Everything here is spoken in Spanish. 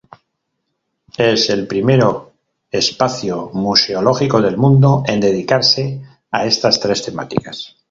Es el primero espacio museológico del mundo en dedicarse a estas tres temáticas.